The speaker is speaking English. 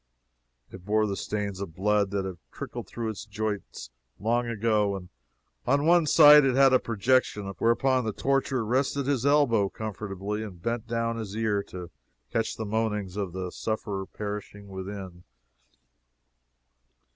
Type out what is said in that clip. It bore the stains of blood that had trickled through its joints long ago, and on one side it had a projection whereon the torturer rested his elbow comfortably and bent down his ear to catch the moanings of the sufferer perishing within.